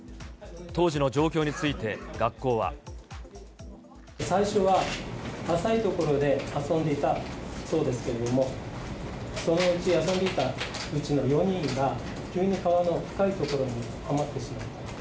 当時の状況について学校は。最初は浅い所で遊んでいたそうですけれども、そのうち遊んでいたうちの４人が急に川の深い所にはまってしまった。